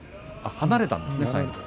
離れたんですね、最後。